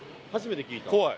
怖い。